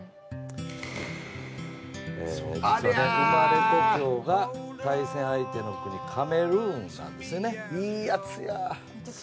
生まれ故郷が対戦相手の国カメルーンなんですよね。